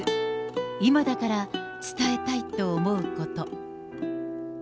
今だから伝えたいと思うこと。